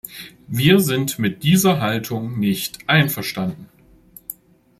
Wir sind mit dieser Haltung nicht einverstanden.